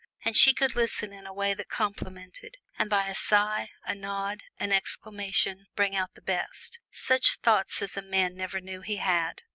And she could listen in a way that complimented; and by a sigh, a nod, an exclamation, bring out the best such thoughts as a man never knew he had.